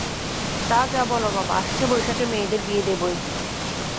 তা যা বল বাবা, আসছে, বৈশাখে মেয়েদের বিয়ে দেবই!